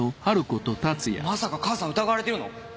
まさか母さん疑われてるの？